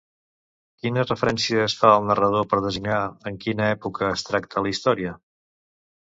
Quines referències fa el narrador per designar en quina època es tracta la història?